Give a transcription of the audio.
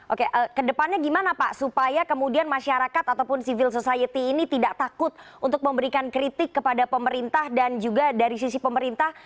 oke kedepannya gimana pak supaya kemudian masyarakat ataupun civil society ini tidak takut untuk memberikan kritik kepada pemerintah dan juga dari sisi pemerintah